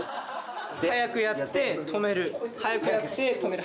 速くやって止める速くやって止める。